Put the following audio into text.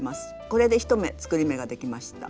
これで１目作り目ができました。